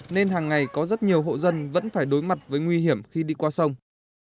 nên hàng ngày có rất nhiều hộ dân vẫn phải đối mặt với nguy hiểm khi đi qua sông